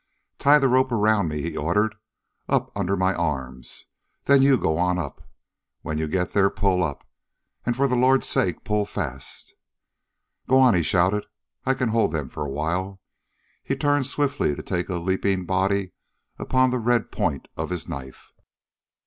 "Tie the rope around me," he ordered, "up under my arms ... then you go on up. When you get there pull up and for the Lord's sake pull fast!" "Go on," he shouted. "I can hold them for a while " He turned swiftly to take a leaping body upon the red point of his knife.